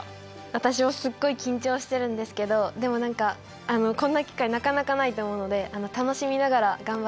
私もすっごい緊張してるんですけどでも何かこんな機会なかなかないと思うので楽しみながら頑張れたらいいかなって思っています。